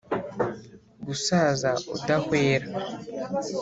gasaza udahwera